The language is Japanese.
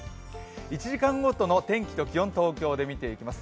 １時間ごとの天気と気温東京で見ていきます。